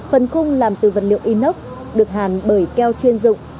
phần cung làm từ vật liệu inox được hàn bởi keo chuyên dụng